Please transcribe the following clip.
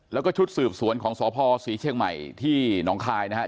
แล้วก็ชุดสืบสวนของสพศรีเชียงใหม่ที่หนองคายนะครับ